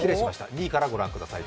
２位からご覧ください。